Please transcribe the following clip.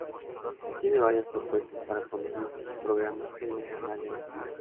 Tiene varias propuestas para conducir su programa en un canal de aire.